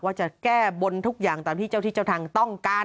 ว่าจะแก้บนทุกอย่างตามที่เจ้าที่เจ้าทางต้องการ